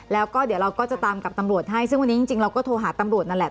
แล้วก็เดี๋ยวเราก็จะตามกับตำรวจให้ซึ่งวันนี้จริงเราก็โทรหาตำรวจนั่นแหละ